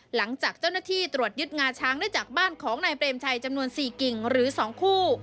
หลังจากเจ้าหน้าที่ตรวจยึดงาช้างได้จากบ้านของนายเปรมชัยจำนวน๔กิ่งหรือ๒คู่